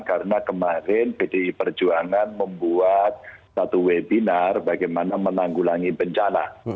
karena kemarin bdi perjuangan membuat satu webinar bagaimana menanggulangi bencana